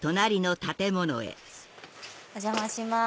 お邪魔します。